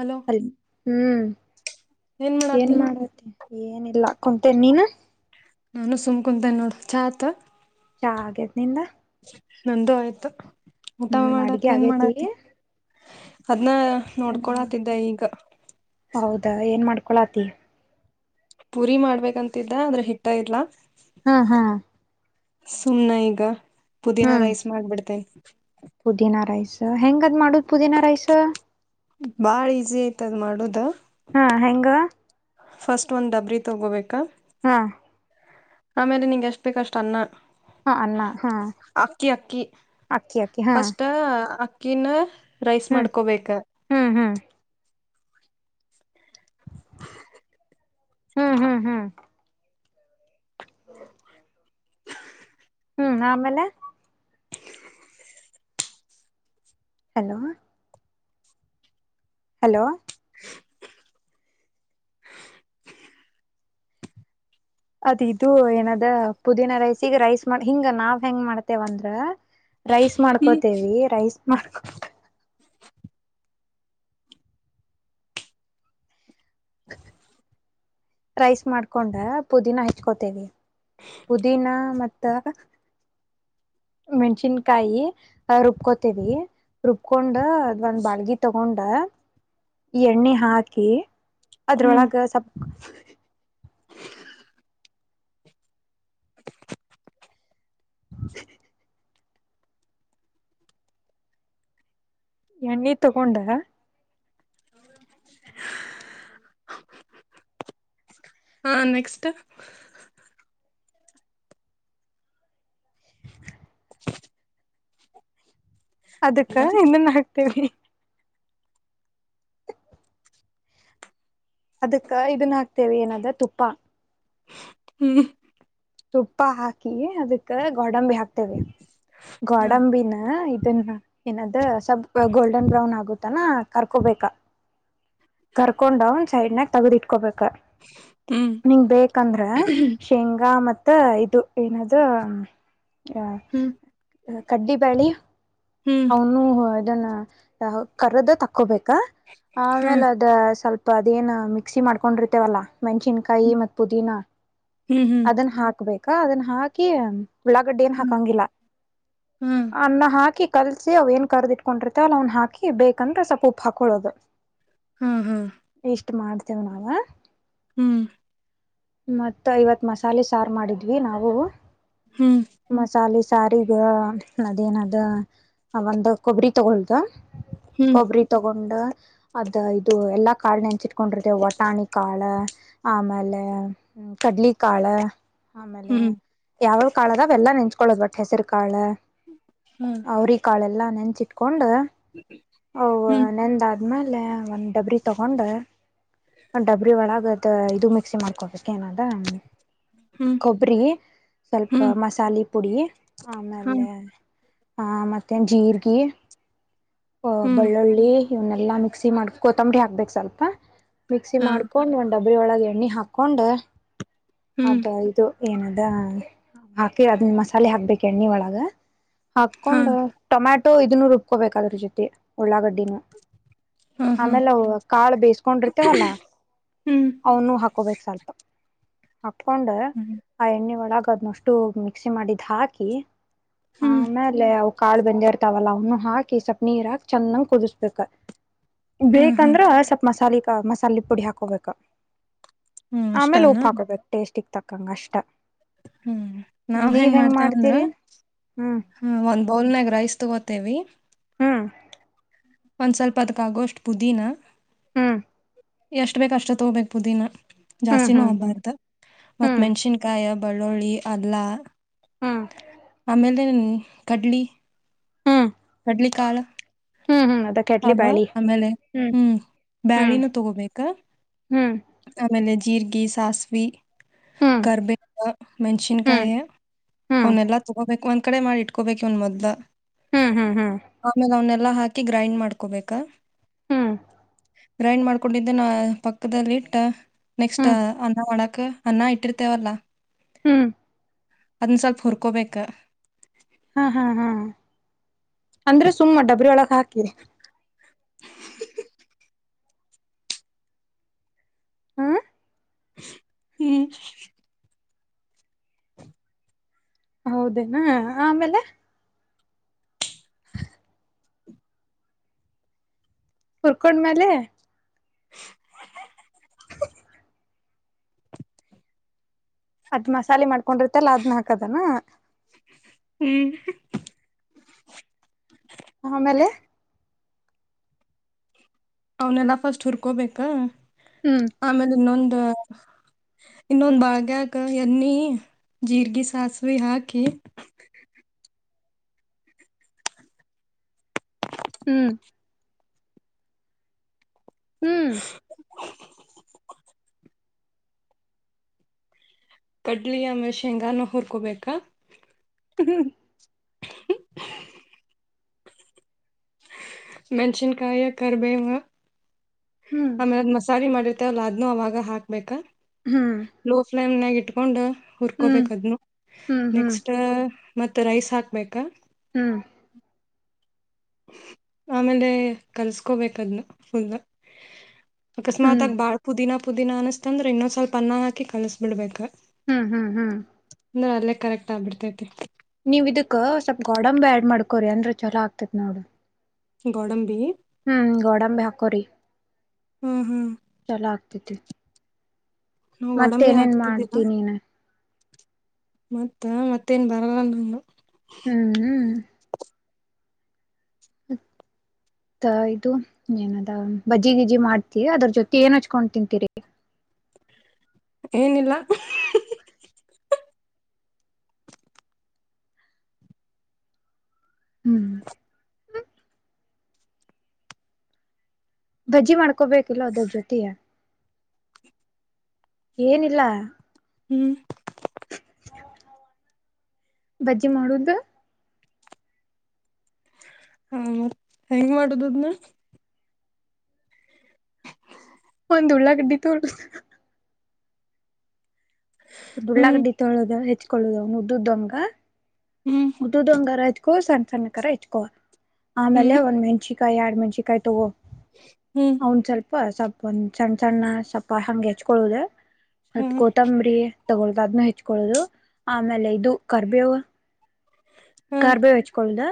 hello ಅಲ್ಲಿ ಹ್ಮ್ ಏನ್ ಮಾಡತಿ ಏನಿಲ್ಲ ಕುಂತ ನೀನ್ ಕುಂತ ನೋಡು ಚಾತ ಹಾಗೆದನಿಂದ ನಂದ ಆಯ್ತು ಊಟಮ ಹ್ಮ್ ಮಾಡಕ್ ಅಡ್ಗೆ ಏನ್ ಆಗೇತಿ ಮಾಡಾತಿ ಅದ್ನ್ನ ನೋಡ್ಕೊಳತಿದ್ದೆ ಈಗ ಹೌದಾ ಏನ್ ಮಾಡ್ಕೊಳಾತಿ ಪುರಿ ಮಾಡ್ಬೇಕಂತಿದ್ದ ಅದ್ರ ಹಿಟ್ಟ ಇರ್ಲ್ಲ ಹಾ ಹಾ ಸುಮ್ನೆ ಈಗ ಪುದೀನಾ ಹ್ಮ್ ರೈಸ್ ಮಾಡಬಿಡ್ತೆೇನೆ ಪುದೀನಾ ರೈಸ್ ಹೆಂಗದ್ ಮಾಡುದ ಪುದೀನಾ ರೈಸ್ ಬಾಳ ಈಸಿ ಐತದ್ ಮಾಡುದ ಹಾ ಹೆಂಗ ಫಸ್ಟ್ ಒಂದ್ ಡಬ್ರಿ ತಗೋಬೇಕಾ ಹಾ ಆಮೇಲೆ ನಿಂಂಗ ಎಷ್ಟ ಬೇಕಷ್ಟ ಅನ್ನ ಹಾ ಅನ್ನ ಹಾ ಅಕ್ಕಿ ಅಕ್ಕಿ ಅಕ್ಕಿ ಅಕ್ಕಿ ಹಾ ಫಸ್ಟ್ ಕನ್ ರೈಸ್ ಹ್ಮ್ ಮಾಡ್ಕೊಬೇಕ ಹ್ಮ್ ಹ್ಮ್ ಹ್ಮ್ ಹ್ಮ್ ಹ್ಮ್ ಹ್ಮ್ ಆಮೇಲೆ ಹಲೋ ಹಲೋ ಅದ ಇದು ಏನದ ಪುದೀನಾ ರೈಸ ಈಗ ರೈಸ್ ಮಾಡ ಹಿಂಗ ನಾವ್ ಹೆಂಗ್ ಮಾಡ್ತೇವಂದ್ರ ರೈಸ್ ಹ್ಮ್ ಮಾಡ್ಕೋತೇವಿ ರೈಸ್ ಮಾಡ್ಕ ರೈಸ್ ಮಾಡ್ಕೊಂಡ ಪುದೀನ ಹಚ್ಕೋತೇವಿ ಪುದೀನಾ ಮತ್ತ ಮೆಣ್ಸಿನ್ಕಾಯಿ ರುಬ್ಕೋತೇವಿ ರುಬ್ಕೊಂಡ ಅದ್ ಒಂದ್ ಬಾಳ್ಗಿ ತಗೊಂಡ ಎಣ್ಣೆ ಹಾಕಿ ಹ್ಮ್ ಅದ್ರೊಳಗ ಸ್ [inaudible] ಎಣ್ಣೀ ತಗೊಂಡ ಹಾ ನೆಕ್ಸ್ಟ್ ಅದಕ್ಕ ಇನ್ನನ್ ಹಾಕ್ತೇವಿ ಅದಕ್ಕ ಇದನ್ನ ಹಾಕ್ತೇವೆ ಏನಾದ ತುಪ್ಪ ಹ್ಮ್ ತುಪ್ಪ ಹಾಕಿ ಅದಕ್ಕ ಗೋಡಂಬಿ ಹಾಕ್ತೇವೆ ಗೋಡಂಬಿನ ಇದನ್ನ ಏನದ ಸ್ವಲ್ ಗೋಲ್ಡನ್ ಬ್ರೌನ್ ಆಗುತ್ತಾನ ಕರ್ಕೊಬೇಕ [inaudible] ಕರ್ಕೊಂಡ ಅವನ್ ಸೈಡ್ನಾಗ ತಗದಿಟ್ಕೊಬೇಕ ಹ್ಮ್ ನಿಂಗ ಬೇಕಂದ್ರೆ ಶೇಂಗಾ ಮತ್ ಮತ್ತ ಇದು ಏನಾದ ಅ ಹ್ಮ್ ಕಡ್ಡಿ ಬಳಿ ಹ್ಮ್ ಹ್ಮ್ ಅವನು ಇದನ್ನ ಕರದ ತಕ್ಕೋಬೇಕಾ ಹಾ ಆಮೇಲೆ ಅದ ಸ್ವಲ್ಪ ಅದೇನ್ ಮಿಕ್ಸಿ ಮಾಡ್ಕೊಂಡಿರ್ತೇವಲ್ಲಾ ಮೆಣ್ಸಿನ್ಕಾಯಿ ಮತ್ ಪುದೀನಾ ಹ್ಮ್ ಹ್ಮ್ ಅದನ್ ಹಾಕ್ಬೇಕಾ ಅದನ್ನ ಹಾಕಿ ಉಳ್ಳಾಗಡ್ಡ ಏನ್ ಹಾ ಹಾಕಂಗಿಲ್ಲ ಹ್ಮ್ ಅನ್ನ ಹಾಕಿ ಕಲ್ಸಿ ಅವ್ ಏನ್ ಕರ್ದಿಟ್ಕೊಂಡಿರ್ತ ಅಲ್ಲಿ ಅವನ್ ಹಾಕಿ ಬೇಕಂದ್ರೆ ಸ್ವಪ ಉಪ್ಪು ಹಾಕೊಳ್ಳೋದು ಹಾ ಹಾ ಮಾಡ್ತೇವೆ ನಾವ ಹ್ಮ್ ಮತ್ತ ಐವತ್ ಮಸಾಲೆ ಸಾರು ಮಾಡಿದ್ವಿ ನಾವು ಹ್ಮ್ ಮಸಾಲೆ ಸಾರ ಈಗ ಅದೇಏನಾದ ಒಂದು್ ಕೊಬ್ಬರಿ ತಗೊಳುದು ಹ್ಮ್ ಕೊಬ್ಬರಿ ತಗೊಂಡ ಅದ ಇದು ಎಲ್ಲಾ ಕಾಳ ನೆನ್ಸಿಟ್ಕೊಂಡ್ರದೆ ವಟಾಣಿ ಕಾಳ ಆಮೇಲೆ ಹ್ಮ ಕಡ್ಲಿಕಾಳ ಆಮೇಲೆ ಹ್ಮ್ ಯಾವ ಕಾಳದಾವೆಲ್ಲಾ ನೆಂಚ್ಕೊಳ್ಳೋದ್ ಬಟ್ ಹೆಸರು ಕಾಳ ಹ್ಮ್ ಅವ್ರ ಕಾಳೆಲ್ಲಾ ನೆನ್ಚಿಟ್ಕೊಂಡ ಹ್ಮ್ ಅ ನೆಂದ ಆದ್ಮೇಲೆ ಒಂದ್ ಡಬ್ರಿ ತಗೊಂಡ ಒ ಡಬ್ರಿ ಒಳಗ ಇದು ಮಿಕ್ಸಿ ಮಾಡ್ಕೊಬೇಕು ಏನದ ಹ್ಮ್ ಹ್ಮ್ ಕೊಬ್ಬರಿ ಸ್ವಲ್ಪ ಹ್ಮ್ ಮಸಾಲೆ ಪುಡಿ ಹಾ ಆಮೇಲೆ ಹಾ ಮತ್ತೆ ಜೀರ್ಗ ಹ ಹ್ಮ್ ಬೆಳ್ಳುಳ್ಳಿ ಇವನ್ನೆಲ್ಲಾ ಮಿಕ್ಸಿ ಮಾಡ ಕೊತ್ತಂಬರಿ ಹಾಕ್ಬೇಕೇು ಸ್ವಲ್ಪ ಮಿಕ್ಸಿ ಹಾ ಮಾಡ್ಕೊಂಡು ಒಂದು ಡಬ್ಬರಿ ಒಳಗೆ ಎಣ್ಣೆ ಹಾಕ್ಕೊಂಡು ಹ್ಮ್ ಅದು ಇದು ಏನದ ಹಾಕಿ ಅದನ್ನ ಮಸಾಲೆ ಹಾಕ್ಬೇಕು ಎಣ್ಣೆ ಒಳಗ ಹಾ ಹಾಕೊಂಡ್ ಟೊಮ್ಯಾಟೊ ಇದನ್ನು ರುಬ್ಕೋಬೇಕ ಅದ್ರ ಜೊತೆ ಉಳ್ಳಾಗಡ್ಡಿನೂ ಹಾ ಹಾ ಆಮೇಲೆ ಕಾಳು ಬೇಯಿಸಕೊಂಡಿರ್ತೇವಲ್ಲ ಹ್ಮ್ ಅವನು ಹಾಕೋಬೇಕು ಸ್ವಲ್ಪ ಕುತ್ಕೊಂಡ್ ಹ್ಮ್ ಆ ಎಣ್ಣೆ ಒಳಗ ಅದ್ನಷ್ಟು ಮಿಕ್ಸಿ ಮಾಡಿದ್ ಹಾಕಿ ಹ್ಮ್ ಆಮೇಲೆ ಅವು ಕಾಳು ಬಂದೆ ಇರ್ತಾವಲ್ಲ ಅವನು ಹಾಕಿ ಸ ನೀರ ಹಾಕ ಚೆನ್ನಂಗ್ ಕುದಿಸ್ಬೇಕ ಹ್ಮ್ ಹ್ಮ್ ಬೇಕಂದ್ರ ಸ್ವಲ್ಪ ಮಸಾಲೆ ಮಸಾಲೆ ಪುಡಿ ಹಾಕೋಬೇಕ ಹ್ಮ್ ಆಮೇಲೆ ಅಷ್ಟಾನ ಉಪ್ಪು ಹಾಕೋಬೇಕು ಟೇಸ್ಟ ಇ ತಕ್ಕಂ ಕಷ್ಟ ಹ್ಮ್ ನಾವ್ ಹೆಂಗ್ ಮಾಡ್ತೇವ ಅಂದ್ರ ಮಾಡ್ತೀರಿ ಹ್ಮ್ ಹ ಒಂದ್ ಬೌಲ್ನಾಗ ರೈಸ್ ತಗೋತೇವಿ ಹ್ಮ ಒಂದ್ ಸ್ವಲ್ಪ ಅದ್ಕ ಆಗೋಷ್ಟ್ ಪುದೀನ ಹ್ಮ್ ಎಷ್ಟ್ ಬೇಕ್ ಅಷ್ಟ ತಗೋಬೇಕ್ ಪುದೀನಾ ಹ್ಮ್ ಜಾಸ್ತಿನೂ ಹ್ಮ್ ಆಗಬ್ಬಾರ್ದ ಮತ್ ಹ್ಮ್ ಮೆಣ್ಸಿನ್ಕಾಯಿ ಹಬ ಬೆಳ್ಳುಳ್ಳಿ ಅಲ್ಲಾ ಹ್ಮ್ ಆಮೇಲೆ ಕಡ್ಲಿ ಹ್ಮ್ ಕಡ್ಲಿ ಕಾಳ ಹ್ಮ್ ಹ್ಮ್ ಅದ ಕಡ್ಲಿ ಅವಾ ಬ್ಯಾಳಿ ಆಮೇಲೆ ಹ್ಮ್ ಹ್ಮ್ ಬ್ಯಾಳಿನೂ ತಗೋಬೇಕ ಹ್ಮ್ ಆಮೇಲೆ ಜೀರ್ಗಿ ಸಾಸವಿ ಹ್ಮ್ ಕರ್ಬೇ ಹ್ಮ್ ಮೆಣ್ಸಿನ್ಕಾಯಿ ಹ್ಮ್ ಅವನೆಲ್ಲಾ ತಗೋಬೇಕು ಅಂತ ಕಟ ಮಾಡಿ ಇಟ್ಕೊಬೇಕು ಇವ್ನ್ ಮೊದ್ಲು ಹ್ಮ್ ಹ್ಮ್ ಹ್ಮ್ ಆಮೇಲೆ ಅವನ್ನೆಲ್ಲಾ ಹಾಕಿ ಗ್ರೈಂಡ್ ಮಾಡ್ಕೊಬೇಕ ಹ್ಮ್ ಗ್ರೈಂಡ್ ಮಾಡ್ಕೊಂಡಿದ್ದ ನ ಪಕ್ಕದಲ್ಲಿ ಇಟ್ಟ ನೆಕ್ಸ್ಟ್ ಹ್ಮ್ ಅನ್ನ ಮಾಡಕ್ ಅನ್ನ ಇಟ್ಟಿರ್ತೇವಲ್ಲಾ ಹ್ಮ್ ಅದನ್ನ ಸ್ವಲ್ಪ ಹುರ್ಕೊಬೇಕ ಹಾ ಹಾ ಹಾ ಅಂದ್ರೆ ಸುಮ್ಮ್ ಡಬ್ರ ಒಳಕ್ ಹಾಕಿ ಹ ಹ್ಮ್ ಹೌದೇನಾ ಆಮೇಲೆ ಹುರ್ಕೊಂಡ್ಮೇಲೆ ಅದ್ ಮಸಾಲೆ ಮಾಡ್ಕೊಂಡಿರ್ತಲ್ಲ ಅದ್ನ ಹಾಕದನಾ ಹ್ಮ್ ಆಮೇಲೆ ಅವನೆಲ್ಲ ಫಸ್ಟ್ ಹುರ್ಕೋಬೇಕ ಹ್ಮ್ ಆಮೇಲೆ ಇನ್ನೊಂದು ಇನ್ನೊಂದ ಬಾಳ್ಗಕ ಎಣ್ಣಿ ಜೀರ್ಗ ಸಾಸಿವೆ ಹಾಕಿ ಹ ಹ್ಮ್ ಹ್ಮ್ ಕಡ್ಲಿ ಆಮೇಲೆ ಶೇಂಗಾನ ಹುರ್ಕೊಬೇಕಾ ಹ್ಮ ಮೆನಸಿನ್ ಕಾಯಿ ಕರಿಬೇವು ಹ್ಮ್ ಆಮೇಲೆ ಆ ಮಸಾಲೆ ಮಾಡಿರ ಅದ ಅವಾಗ ಹಾಕ್ಬೇಕ ಹ್ಮ್ ಲೋ ಫ್ಲೇಮ್ ನಾಗ ಇಟ್ಕೊಂಡು ಹ್ಮ್ ಹುರ್ಕೊಬೇಕ ಅದನ್ನು ಹ್ಮ್ ಹ್ಮ್ ನೆಕ್ಸ್ಟ್ ಮತ್ತ ರೈಸ್ ಹಾಕ್ಬೇಕ ಹ್ಮ್ ಆಮೇಲೆ ಕಲ್ಸ್ಕೋಬೇಕ ಅದನ ಫುಲ್ಲ ಹ್ಮ್ ಅಕಸ್ಮಾತ್ಗಿ ಬಾಳ ಪುದೀನಾ ಪುದೀ ಅನಸ್ತ ಅ್ರ ಇನ್ನೊಂದ ಸ್ವಲ್ಪ ಲ್ಪ ಅನ್ನ ಹಾಕಿ ಕಲಸ ಬಿಡ್ಬೇಕ್ ಹ್ಮ್ ಹ್ಮ್ ಹ್ಮ್ ಅಲ್ಲೇ ಕರೆಕ್ಟ್ ಆಗ್ಬಿಡ್ತೈತಿ ನೀವ ಇದಕ್ ಸ್ವಲ್ಪ ಗೊಡಂಬಿ ಯಾಡ್ ಮಾಡ್ಕೊರಿ ಅಂದ್ರ ಚೊಲೋ ಆಗ್ತೇತ್ ನೋಡುರಿ ಗೋಡಂಬಿ ಹ್ಮ್ ಗೋಡಂಬಿ ಹಾಕೋರಿ ಹ್ಮ್ ಹ್ಮ್ ಚಲೋ ಆಗ್ತೇತಿ ನಾವು ಗೋಡಂಬಿ ಮತ್ತೇನೇನ್ ಹಾಕ್ತಿದ್ದಿಲ್ಲ ಮಾಡ್ತೀ ನೀನ್ ಮತ್ತ ಮತ್ತೇನ್ ಬರಲ್ಲನ್ನು ಹ್ಮ್ ಹ ಇದು ಏನದ ಬಜ್ಜಿ ಗಿಜ್ಜಿ ಮಾಡ್ತಿ ಅದ್ರ ಜೊತೆ ಏನ್ ಹಚ್ಕೊಂಡ್ ತಿಂತೀರಿ ಏನಿಲ್ಲ [unintelligible] ಹ್ಮ್ ಭಜ್ಜಿ ಮಾಡ್ಕೊಬೇಕಿಲ್ಲ ಅದ್ರ ಜೊತೆಯೇ ಏನಿಲ್ಲಾ ಹ್ಮ್ ಬಜ್ಜಿ ಮಾಡುದು ಹ ಮತ್ತ್ ಹೆಂಗ್ ಮಾಡುದದ್ನ್ ಒಂದ್ ಉಳ್ಳ ಗಡ್ಡಿ ತೋ [unintelligible] ಹ್ಮ್ ಊಳ್ಳಾಗಡ್ಡಿ ತೊಳದ ಹೆಚ್ಕೊಳ್ಳುದವನು ಉ್ದುದಮ್ಂಗ ಹ್ಮ್ ಉದುದುಂಗರ ಹಚ್ಕೋ ಸಣ್ಣ ಸಣ್ಣ ಕರ ಹಚ್ಕೋ ಆಮೇಲೆ ಹ್ಮ್ ಒಂದ್ ಮ್ಯಾಜಿಕ್ ಎರಡ್ ಮನ್ಷ ಕಾಯ್ ತಗೋ ಹ್ಮ್ ಅವನ್ ಸ್ವಲ್ಪ ಸ್ಪ ಸ್ವಪ ಒಂದ ಸಣ್ಣ ಸಣ್ಣ ಸ್ವಲ್ಪ ಹಂಗೆ ಹೆಚ್ಕೊಳ್ಳುದ ಹಾ ಸ್ವಲ್ಪ ಕೊತ್ತಂಬರಿ ತಗೊಳ್ಳುದು ಅದ್ನ್ನು ಹೆಚ್ಕೊಳ್ಳುದು ಆಮೇಲೆ ಇದು ಕರ್ಬೇವು ಹಾ ಕಾರ್ಬೇವು ಹಚ್ಕಳ್ದ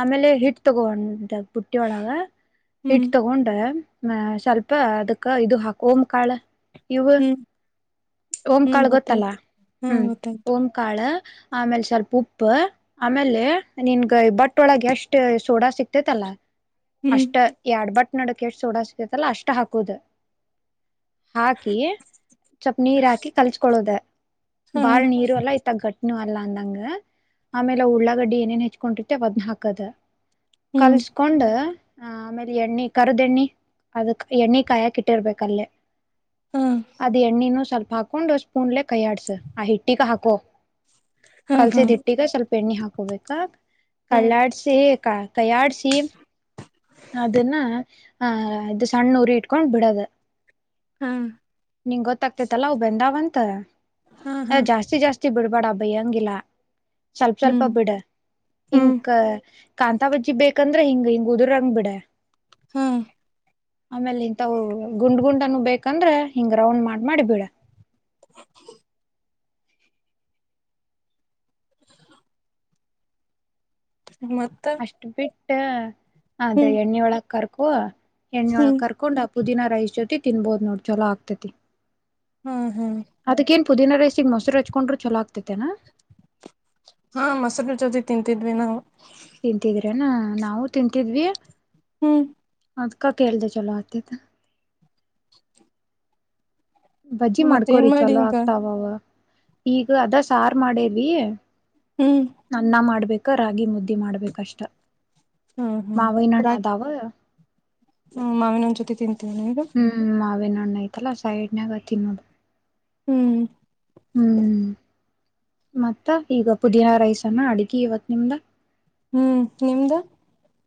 ಆಮೇಲೆ ಹಿಟ್ ತಗೊಳೋನು ಪುಟ್ಟಿಯ ಒಳಗ ಹ್ಮ್ ಹಿಟ್ ತಗೊಂಡ ಹ ಸ್ವಲ್ಪ ಅದಕ್ಕ ಇದು ಹಾಕೋ ಹೋಮ್ ಕಾಳು ಇವು ಹ್ಮ್ ಹ್ಮ್ ಓಂಕಾಳ ಗೊತ್ತಲ್ಲ ಗೊತ್ತಾಯ್ತು ಹಾ ಹ್ಮ್ ಗೊತ್ತಾಯ್ತು ಓಂಕಾಳ ಆಮೇಲೆ ಸ್ವಲ್ಪ ಉಪ್ಪು ಆಮೇಲೆ ನಿನ್ಗ ಬಟ್ ಒಳಗೆ ಅಷ್ಟು ಸೋಡಾ ಸಿಕ್ತೇತಲ್ಲ ಹ್ಮ್ ಅಷ್ಟ ಎಡ್ ಬಟ್ ನಡಕಷ್ಟ ಸೋಡಸ್ತಲ್ಲ ಅಷ್ಟ ಹಾಕುದ ಹಾಕಿ ಸ್ಪ್ ನೀರ್ ಹಾಕಿ ಕಲ್ಚ್ಕೊಳ್ಳೋದ ಹಾ ಬಾಳ ನೀರು ಎಲ್ಲ ಇತಗಟ್ಟ ಅಲ್ಲ ಅಂದಂಗ ಆಮೇಲೆ ಉಳ್ಳಾಗಡ್ಡಿ ಏನೇನ್ ಹೆಚ್ಕೊಂಡಿತತೆ ಒದ್ನ ಹಾಕದ ಹ್ಮ್ ಕಲ್ಸ್ಕೊಂಡ ಹ ಆಮೇಲೆ ಎಣ್ಣೆ ಕರದ ಎಣ್ಣಿ ಅದಕ್ ಎಣ್ಣೆ ಕಾಯಾಕಿ ಇಟ್ಟಿರ್ಬೇಕಲ್ಲೇ ಹಾ ಅದ ಎಣ್ಣಿನ ಸ್ವಲ್ಪ ಹಾಕೊಂಡ್ ಸ್ಪೂನ್ಲೆ ಕೈಯಡ್ಸ ಆ ಹಿಟ್ಟಗ ಹಾಕೋ ಹಾ ಹಾ ಕಲ್ಸಿದ್ ಹಿಟ್ಟಗ ಸ್ವಲ್ಪ ಎಣ್ಣೆ ಹಾಕೋಬೇಕಕ್ ಹ್ಮ್ ಕಳ್ಳಾಡ್ಸಿ ಕಯಾರ್ಚಿ ಅನ್ನ ಹಾ ಇದು ಸಣ್ಣ ಉರಿ ಇಟ್ಕೊಂಡ್ ಬಿಡದ ಹ್ಮ್ ನಿಂ ಗೊತ್ತಾಗ್ತಿತ್ತಲ್ಲ ಅವು ಬೆಂದಾವ ಅಂತ ಹಾ ಅ ಹಾ ಜಾಸ್ತಿ ಜಾಸ್ತಿ ಬಿಡ್ಬೇಡ ಭಯ್ಯಂಗಿಲ್ಲ ಸ್ವಲ್ಪ ಸ್ವಲ್ಪ ಹ್ಮ್ ಬಿಡ ಹ್ಮ್ ಹಿಂಕ ಕಾಂತಾ ಬಜ್ಜಿ ಬೇಕಂದ್ರೆ ಹಿಂಗ ಹಿಂಗ ಉದ್ರಂಗ್ ಬಿಡ ಹ್ಮ ಆಮೇಲೆ ಇಂತವು ಗುಂಡ್ ಗುಂಡನು ಬೇಕಂದ್ರೆ ಹಿಂಗ್ ರೌಂಡ್ ಮಾಡ್ ಮಾಡಿ ಬಿಡ [inaudible] ಮತ್ತ ಅಷ್ಟ್ ಬಿಟ್ಟ ಅದ ಹ್ಮ್ ಎಣ್ಣೆ ಒಳಕ್ ಕರ್ಕು ಹೆಣ್ಣೊಳ ಹ್ಮ್ ಕರ್ಕೊಂಡ್ ಆ ಪುದಿನ ರೈಸ್ ಜೊತೆ ತಿನ್ಬೋದು ನೋಡ್ ಚಲೋ ಆಗ್ತತಿ ಹ್ಮ್ ಹ್ಮ್ ಪುದೀನ ರೈಸಿಗೆ ಮೊರುಚ್ಡರು ಚೊಲಕ್ ಹಾ ಮೊಸರು ಜೊತೆ ತಿಂತಿದ್ವಿ ನಾವು ತಿಂತಿದ್ರೇನಾ ನಾವು ತಿಂತಿದ್ವಿ ಹ್ಮ್ ಅದ್ಕ ಕೇಳಿದೆ ಚಲೋ ಆತ್ತತ ಬಜ್ಜಿ ಮತ್ತ ಏನ್ ಮಾಡ್ಕೋರಿ ಮಾಡಿ ಚಲೋ ಈಗ ಆಗ್ತಾವವ ಈಗ ಅದ ಸಾರು ಮಾಡೇವಿ ಹ್ಮ್ ನನ್ನ ಮಾಡ್ಬೇಕ ರಾಗಿ ಮುದ್ದಿ ಮಾಡ್ಬೇಕಷ್ಟ ಹ್ಮ ಮಾವ ನ್ಣದಾವ ಹ್ಮ ಮಾವಿನ ಒಂದ್ ಜೊತೆ ತಿಂತ ಹ್ಮ್ ಮಾವೇ ನೋಣ್ಣ ಐ್ತಲ್ಲ ಸೈಡ್ನಾಗತಿ ಮೋದು ಹ್ಮ್ ಮತ್ತ ಈಗ ಪುದೀನಾ ರೈಸನ್ನ ಅಡಗಿ ಇವತ್ ನಿಮ್ದ ಹ್ಮ್ ನಿಮ್ದು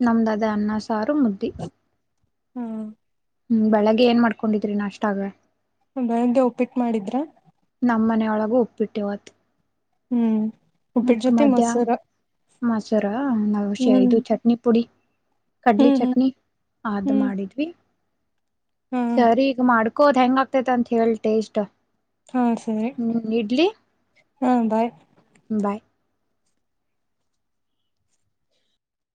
ನಮ್ದಾದ ಅನ್ನ ಸಾರು ಮುದ್ದಿ ಹ್ಮ್ ಹ್ಮ್ ಬೆಳಗ್ ಏನ್ ಮಾಡ್ಕೊಂಡಿದ್ರಿ ನಾ ಅಷ್ಟಾಗ ಬೆಳ್ಳಿಗೆ ಒಪ್ಪಿಟ್ಟ ಮಾಡಿದ್ರ ನಮ್ಮ ಮನೊಳಗೂ ಉಪಿಟ್ಟುಇವತ್ತು ಹ್ಮ್ ಉಪ್ಪಿಟ್ಟ ಜೊತೆ ಮೊಸರ ಮೊಸರಾ ನಾವುಷ ಹ್ಮ್ ಇದು ಚಟ್ನಿ ಪುಡಿ ಕಡ್ಲಿ ಹ್ಮ್ ಹ್ಮ್ ಚಟ್ನಿ ಅದು ಹ್ಮ್ ಮಾಡಿದ್ವಿ ಹಾ ಸರಿ ಈಗ ಮಾಡ್ಕೋದ್ ಹೆಂಗ ಆಗ್ತೇತಿ ಅಂತ ಹೇಳ್ತೆ ಡೇಟ್ ಹಾ ಸರಿ ಹ್ಮ್ ಇಡ್ಲಿ ಹಾ ಬಾಯ್ ಬಾಯ್